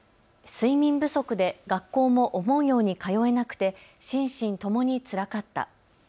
睡眠不足で学校も思うように通えなくて心身ともにつらかった。